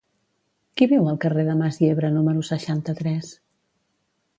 Qui viu al carrer de Mas Yebra número seixanta-tres?